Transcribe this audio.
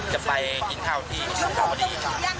จะไปกินข้าวที่สุขาวดี